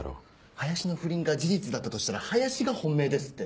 林の不倫が事実だったとしたら林が本命ですって。